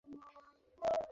আমি তাকে বের করে আনছি, ওকে?